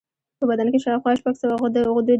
په بدن کې شاوخوا شپږ سوه غدودي دي.